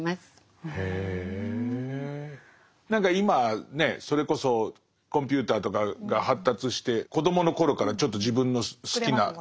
何か今ねそれこそコンピューターとかが発達して子どもの頃からちょっと自分の好きな。